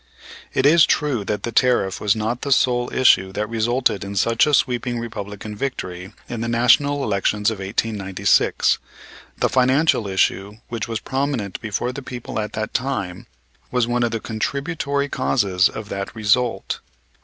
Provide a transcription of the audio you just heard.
It is true that the tariff was not the sole issue that resulted in such a sweeping Republican victory in the National elections of 1896. The financial issue, which was prominent before the people at that time, was one of the contributory causes of that result.